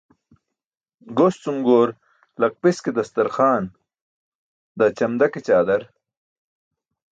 Goscum goor laqpis ke dastar xwaan, daa ćamda ke ćaadar.